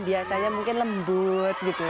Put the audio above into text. biasanya mungkin lembut gitu